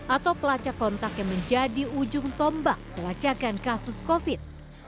atau pelacak kontak yang menjadi ujung tombak pelacakan kasus covid